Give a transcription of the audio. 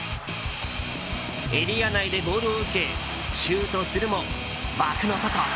エリア内でボールを受けシュートするも、枠の外。